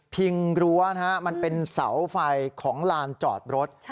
รั้วนะฮะมันเป็นเสาไฟของลานจอดรถ